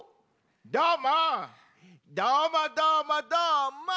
どーもどーもどーもどーも。